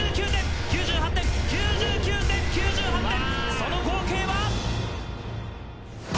その合計は？